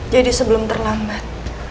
jadi sebelum terlambat